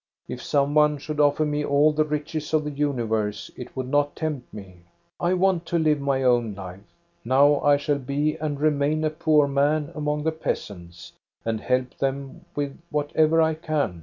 If some one should offer me all the riches of the universe, it would not tempt me. I want to live my own life. Now I shall be and remain a poor man among the 468 THE STORY OF GOSTA BERUNG peasants, and help them with whatever I can.